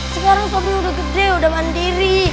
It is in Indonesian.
sekarang mobil udah gede udah mandiri